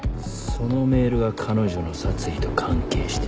そのメールが彼女の殺意と関係してる。